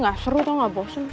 ga seru tau ga bosen